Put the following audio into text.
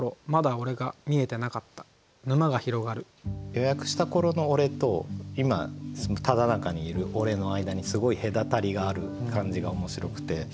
予約した頃の俺と今ただ中にいる俺の間にすごい隔たりがある感じが面白くて。